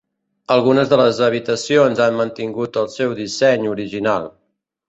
Algunes de les habitacions han mantingut el seu disseny original.